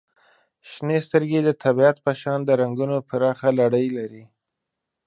• شنې سترګې د طبیعت په شان د رنګونو پراخه لړۍ لري.